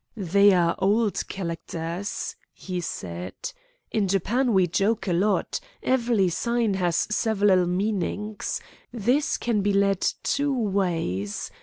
"They are old chalacters," he said. "In Japan we joke a lot. Evely sign has sevelal meanings. This can be lead two ways.